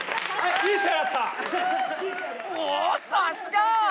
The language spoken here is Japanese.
おおさすが！